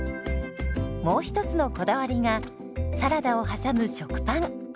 もう一つのこだわりがサラダを挟む食パン。